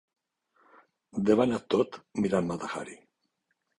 Debanat tot mirant Mata Hari.